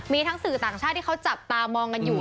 มีทั้งสื่อต่างชาติที่เขาจับตามองกันอยู่